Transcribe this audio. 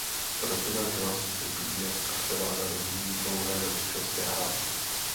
Rodina žila spíše v bídě a převládaly v ní dlouhé rodičovské hádky.